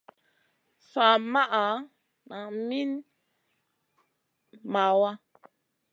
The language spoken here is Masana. Sa maʼa nan minim mawaa.